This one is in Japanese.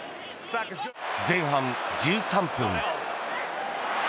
前半１３分。